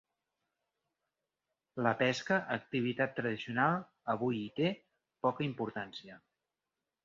La pesca, activitat tradicional, avui hi té poca importància.